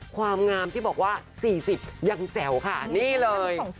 ความงามที่บอกว่า๔๐ยังแจ๋วค่ะนี่เลย